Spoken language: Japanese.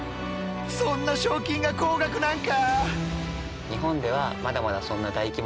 そんな賞金が高額なんか！？